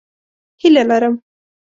هیله لرم